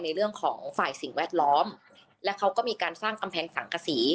ในเรื่องของฝ่ายสิ่งแวดล้อมและเขาก็มีการสร้างกำแพงสังกษี